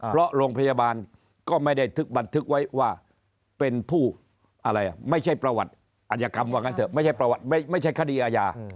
เพราะโรงพยาบาลก็ไม่ได้บันทึกไว้ว่าเป็นผู้อะไรไม่ใช่ประวัติอัยกรรมว่างั้นเถอะไม่ใช่คดีอาญา